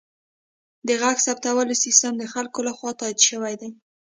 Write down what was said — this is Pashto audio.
د غږ ثبتولو سیستم د خلکو لخوا تایید شوی دی.